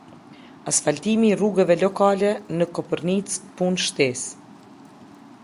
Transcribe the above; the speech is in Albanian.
Asfaltimi i rrugëve lokale në kopërrnicë -punë shtesë